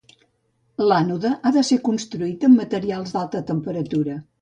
L'ànode ha de ser construït amb materials d'alta temperatura.